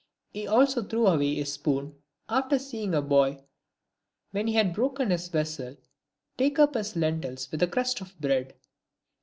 He also threw away his spoon, after seeing a boy, when he had broken his vessel, take up his lentils with a crust of bread.